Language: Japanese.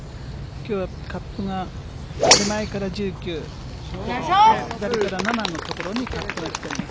きょうはカップが手前から１９、左から７の所にカップが切ってあります。